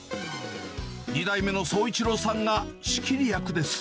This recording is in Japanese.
２代目の宗一郎さんが、仕切り役です。